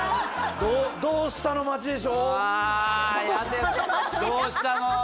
「どうしたの？」